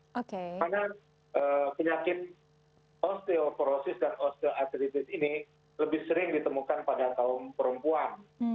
karena penyakit osteoporosis dan osteoartritis ini lebih sering ditemukan pada kaum perempuan